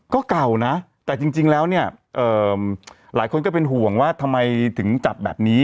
ก็เก่านะแต่จริงแล้วเนี่ยหลายคนก็เป็นห่วงว่าทำไมถึงจัดแบบนี้